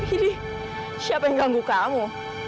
heidih siapa yang ganggu kamu